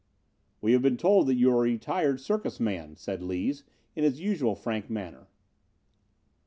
"We have been told that you are a retired circus man," said Lees, in his usual frank manner.